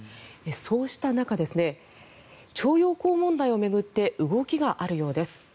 そうした中、徴用工問題を巡って動きがあるようです。